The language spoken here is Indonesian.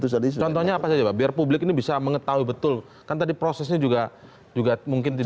contohnya apa saja pak biar publik ini bisa mengetahui betul kan tadi prosesnya juga juga mungkin tidak